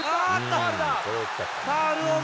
ファウルだ。